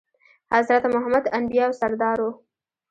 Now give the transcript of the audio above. حضرت محمد د انبياوو سردار وو.